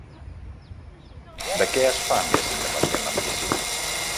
De què es fa més independent la medicina?